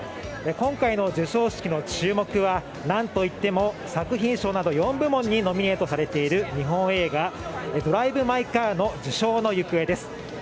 今回の授賞式の注目はなんといっても作品賞など４部門にノミネートされている日本映画「ドライブ・マイ・カー」の受賞の行方です。